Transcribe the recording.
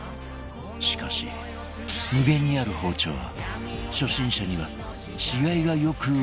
しかし無限にある包丁は初心者には違いがよくわからない